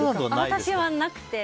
私はなくて。